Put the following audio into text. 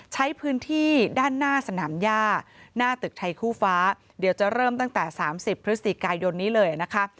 ใช้พื้นที่ด้านหน้าสนามย่าหน้าตึกไทยคู่ฟ้าเดี๋ยวจะเริ่มตั้งแต่๓๐พฤศจิกายนนี้เลยนะคะ